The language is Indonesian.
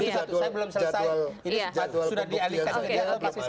ini sempat sudah dialihkan ke jadwal paswisaya